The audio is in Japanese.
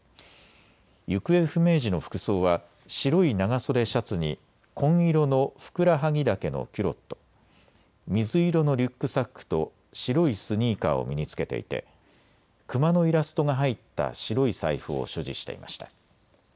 行方不明時の服装は白い長袖シャツに紺色のふくらはぎ丈のキュロット、水色のリュックサックと白いスニーカーを身につけていて熊のイラストが入った白い財布を所持していました。